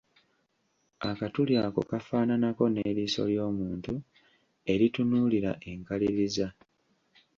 Akatuli ako kafaananako n'eriiso ly'omuntu eritunuulira enkaliriza.